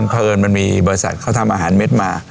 เพราะเอิญมันมีบริษัทเขาทำอาหารเม็ดมา